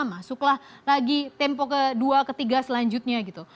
masuklah lagi tempo kedua ketiga selanjutnya gitu